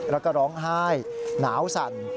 แล้วร้องห้ายหนาวสั่น